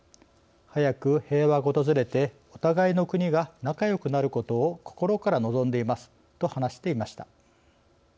早く平和が訪れてお互いの国が仲良くなることを心から望んでいます」と話していました。